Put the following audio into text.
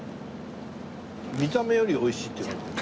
見た目より美味しいって感じ。